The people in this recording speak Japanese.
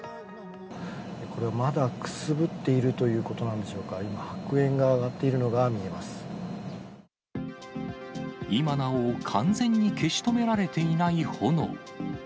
これ、まだくすぶっているということなんでしょうか、今、白煙が上がっ今なお、完全に消し止められていない炎。